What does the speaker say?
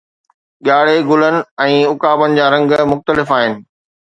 ڳاڙهي، گلن ۽ عقابن جا رنگ مختلف آهن